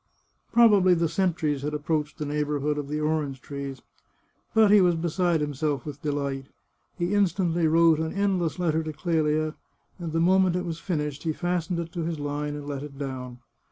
Probably the sentries had approached the neighbourhood of the orange trees. But he was beside himself with delight. He instantly wrote an endless letter to Clelia, and the moment it was finished he fastened it to his line and let it down.